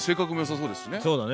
そうだね。